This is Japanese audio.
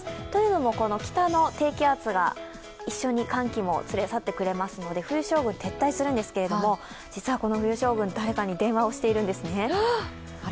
というのも、北の低気圧が一緒に寒気も連れ去ってくれますので冬将軍、撤退するんですけれども、実はこの冬将軍、誰かに電話をしているんですね。